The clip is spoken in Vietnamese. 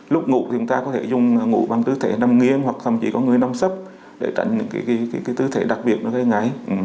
lúc ngủ thì chúng ta có thể dùng ngủ bằng tư thế nằm nghiêng hoặc thậm chí có người nằm sấp để tránh những tư thế đặc biệt nó gây ngáy